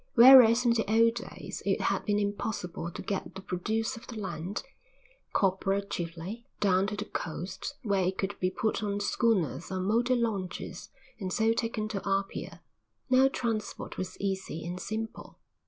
Whereas in the old days it had been impossible to get the produce of the land, copra chiefly, down to the coast where it could be put on schooners or motor launches and so taken to Apia, now transport was easy and simple.